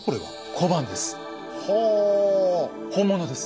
小判です。